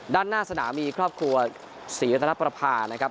ด้านหน้าสนามมีครอบครัวศรีวัตนประพานะครับ